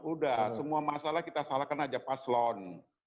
sudah semua masalah kita salahkan saja paslon